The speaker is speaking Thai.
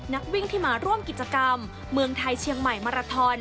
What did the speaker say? นักวิ่งที่มาร่วมกิจกรรมเมืองไทยเชียงใหม่มาราทอน